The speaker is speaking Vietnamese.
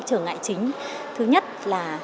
trở ngại chính thứ nhất là